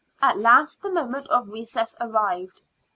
At last the moment of recess arrived.